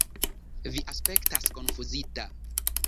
Vi aspektas konfuzita.